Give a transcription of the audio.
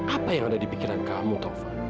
apa yang ada di pikiran kamu taufan